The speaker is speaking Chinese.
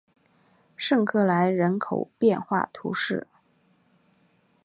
圣克莱人口变化图示